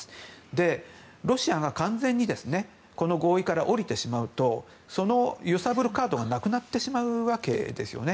で、ロシアが完全にこの合意から降りてしまうとその揺さぶるカードがなくなってしまうわけですね。